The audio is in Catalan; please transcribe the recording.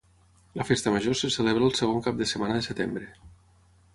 La Festa Major se celebra el segon cap de setmana de setembre.